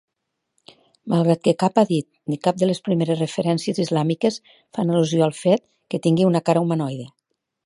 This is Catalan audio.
Malgrat que cap hadit ni cap de les primeres referències islàmiques fan al·lusió al fet que tingui una cara humanoide.